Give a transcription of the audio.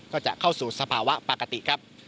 ก็จะเข้าสู่สภาวะปกติครับ